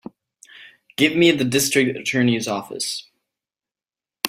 Give me the District Attorney's office.